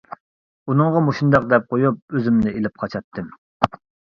ئۇنىڭغا مۇشۇنداق دەپ قويۇپ ئۆزۈمنى ئېلىپ قاچاتتىم.